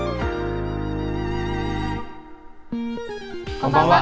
こんばんは。